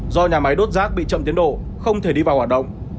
do nhà máy đốt rác bị chậm tiến độ không thể đi vào hoạt động